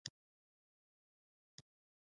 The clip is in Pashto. یوه صومعه، څو کورونه او مقبرې هلته شته.